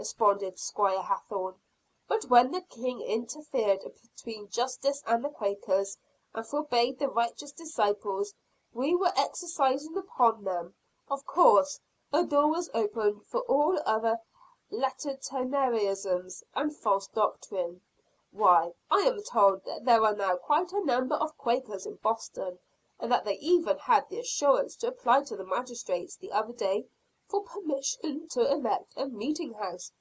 responded Squire Hathorne. "But when the King interfered between Justice and the Quakers, and forbade the righteous discipline we were exercising upon them, of course a door was opened for all other latitudinarianism and false doctrine. Why, I am told that there are now quite a number of Quakers in Boston; and that they even had the assurance to apply to the magistrates the other day, for permission to erect a meeting house!"